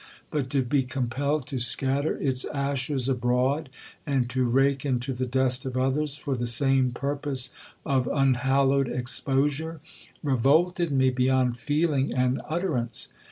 but to be compelled to scatter its ashes abroad, and to rake into the dust of others for the same purpose of unhallowed exposure, revolted me beyond feeling and utterance.